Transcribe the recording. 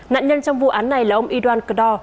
nạn nhân trong vụ án này là ông y doan cờ đo